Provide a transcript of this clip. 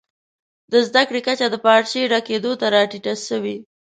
د زده کړي کچه د پارچې ډکېدو ته راټیټه سوې.